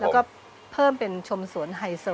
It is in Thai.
แล้วก็เพิ่มเป็นชมสวนไฮโซ